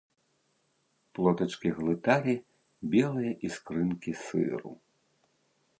Плотачкі глыталі белыя іскрынкі сыру.